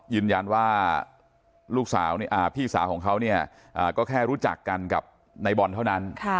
ยืนยันว่าลูกสาวพี่สาวของเขาก็แค่รู้จักกันกับในบอลเท่านั้น